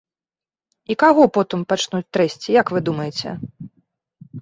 І каго потым пачнуць трэсці, як вы думаеце?